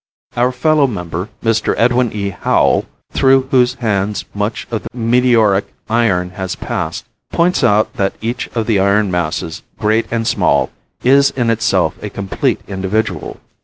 Our fellow member, Mr. Edwin E. Howell, through whose hands much of the meteoric iron had passed, points out that each of the iron masses, great and small, is in itself a complete individual.